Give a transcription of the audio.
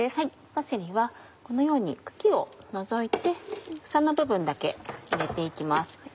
パセリはこのように茎を除いて房の部分だけ入れて行きます。